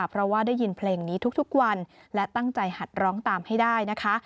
เพราะว่าได้ยินเพลงนี้ทุกวันและตั้งใจหัดร้องตามให้ได้นะคะ